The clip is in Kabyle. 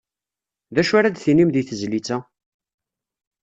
D acu ara d-tinim di tezlit-a?